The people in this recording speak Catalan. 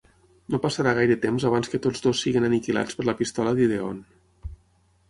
No passarà gaire temps abans que tots dos siguin aniquilats per la pistola d'Ideon.